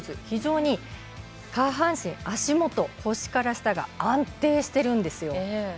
非常に下半身、足元腰から下が安定しているんですよ。